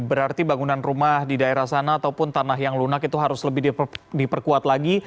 berarti bangunan rumah di daerah sana ataupun tanah yang lunak itu harus lebih diperkuat lagi